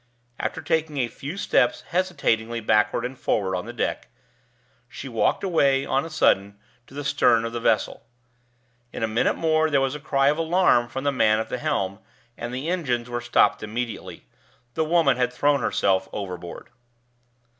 After taking a few steps hesitatingly backward and forward on the deck, she walked away on a sudden to the stern of the vessel. In a minute more there was a cry of alarm from the man at the helm, and the engines were stopped immediately. The woman had thrown herself overboard.